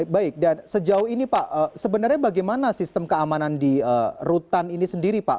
baik dan sejauh ini pak sebenarnya bagaimana sistem keamanan di rutan ini sendiri pak